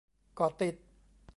เกาะติด